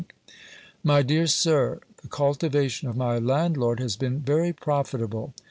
MY DEAR SIR, The cultivation of my landlord has been very profitable.